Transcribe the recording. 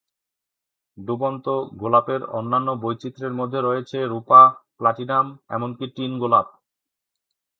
ডুবন্ত গোলাপের অন্যান্য বৈচিত্র্যের মধ্যে রয়েছে রূপা, প্লাটিনাম, এমনকি টিন গোলাপ।